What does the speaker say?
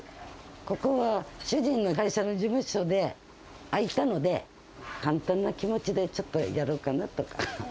ここは主人の会社の事務所で、空いたので、簡単な気持ちでちょっとやろうかなと。